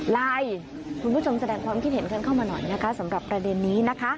คุณผู้ชมแสดงความคิดเห็นกันเข้ามาหน่อยนะคะสำหรับประเด็นนี้นะคะ